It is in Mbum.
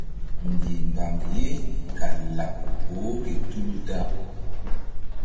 Mbihmbam ye kal laɓ boh ke tulu da.